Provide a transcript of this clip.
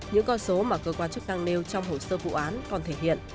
những con số mà cơ quan chức năng nêu trong hồ sơ vụ án còn thể hiện